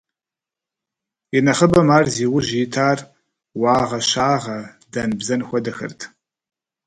И нэхъыбэм ар зи ужь итыр уагъэ-щагъэ, дэн-бзэн хуэдэхэрт.